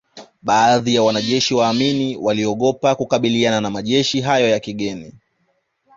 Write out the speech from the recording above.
Baadhi wa wanajeshi wa Amin waliogopa kukabiliana na majeshi hayo ya kigeni